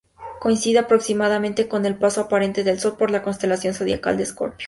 Coincide aproximadamente con el paso aparente del Sol por la constelación zodiacal de Escorpio.